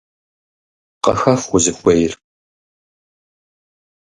Къыхэх узыхуейр.